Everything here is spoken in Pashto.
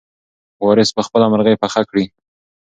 وارث به خپله مرغۍ پخه کړي.